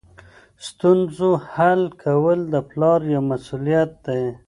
ستونزو حل کول د پلار یوه مسؤلیت ده.